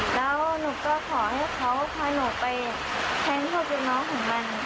แล้วหนูก็ขอให้เขาพาหนูไปแทนพ่อเป็นน้องของมัน